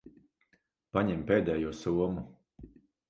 Paņem pēdējo somu.